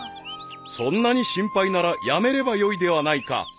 ［そんなに心配ならやめればよいではないか］